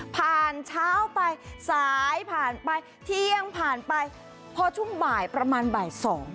ผ่านเช้าไปสายผ่านไปเที่ยงผ่านไปพอช่วงบ่ายประมาณบ่าย๒